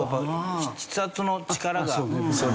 筆圧の力が。